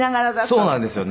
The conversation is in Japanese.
そうなんですよ。